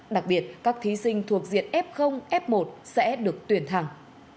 đặc biệt các thí sinh thuộc diện f f một sẽ được tuyển thẳng